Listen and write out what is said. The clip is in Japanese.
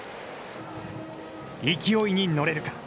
勢いに乗れるか。